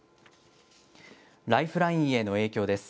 ライフラインへの影響です。